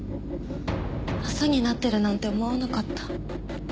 朝になってるなんて思わなかった。